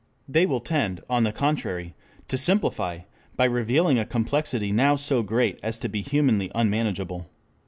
They will tend, on the contrary, to simplify, by revealing a complexity now so great as to be humanly unmanageable.